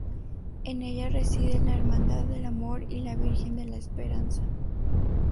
En ella reside la Hermandad del Amor y la Virgen de la Esperanza.